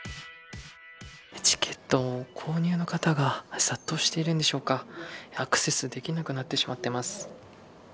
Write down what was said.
チケット購入の方が殺到しているんでしょうかアクセスできなくなってしまっています。